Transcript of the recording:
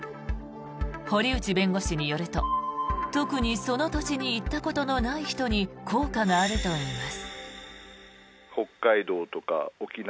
堀内弁護士によると特にその土地に行ったことのない人に効果があるといいます。